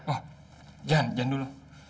oh jangan jangan dulu